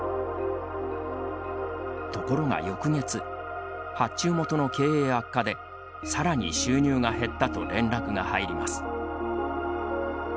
ところが翌月発注元の経営悪化でさらに収入が減ったと連絡が入ります。